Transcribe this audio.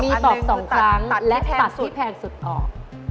มีตอบ๒ครั้งและตัดให้แพงสุดออก